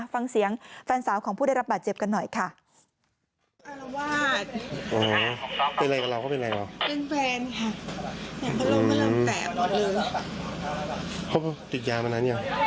ฟังเสียงแฟนสาวของผู้ได้รับบาดเจ็บกันหน่อยค่ะ